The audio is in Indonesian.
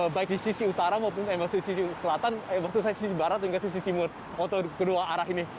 baik di sisi utara maupun sisi selatan eh maksud saya sisi barat hingga sisi timur atau kedua arah ini